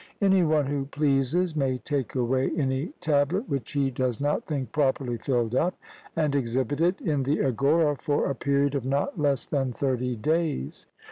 Any one who pleases may take away any tablet which he does not think properly filled up, and exhibit it in the Agora for a period of not less than thirty days.